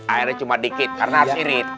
airnya cuma dikit karena harus irit